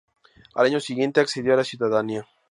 Al año siguiente accedió a la ciudadanía.